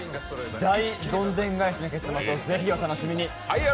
大どんでん返しの結末をぜひお楽しみに。